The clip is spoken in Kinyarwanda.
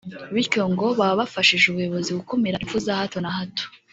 bityo ngo baba bafashije ubuyobozi gukumira imfpu za hato na hato